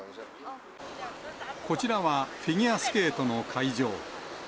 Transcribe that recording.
こちらは、フィギュアスケートの会場。